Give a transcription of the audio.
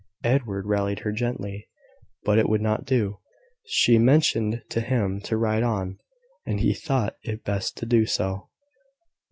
Edward rallied her gently; but it would not do. She motioned to him to ride on, and he thought it best to do so.